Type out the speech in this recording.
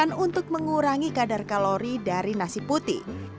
yang dilakukan untuk mengurangi kadar kalori dari nasi putih